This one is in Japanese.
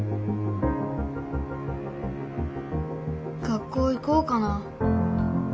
学校行こうかな。